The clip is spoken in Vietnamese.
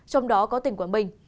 trong đó có tỉnh quảng bình